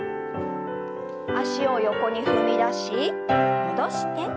脚を横に踏み出し戻して。